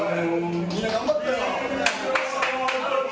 みんな頑張ったよ。